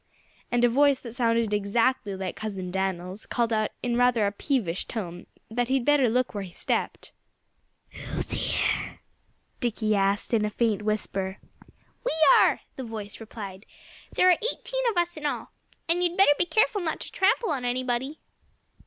And a voice that sounded exactly like Cousin Dan'l's called out in rather a peevish tone that he'd better look out where he stepped. "Who's here?" Dickie asked in a faint whisper. "We are!" the voice replied. "There are eighteen of us in all. And you'd better be careful not to trample on anybody."